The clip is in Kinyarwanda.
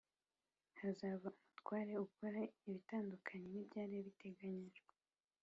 hazava umutware uzakora ibitandukanye nibyari byateganyijwe